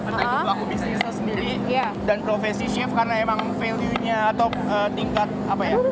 tentang pelaku bisnisnya sendiri dan profesi chef karena emang value nya atau tingkat apa ya